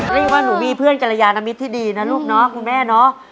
เรียกว่าหนูมีเพื่อนกรยานมิตรที่ดีนะลูกเนาะคุณแม่เนาะ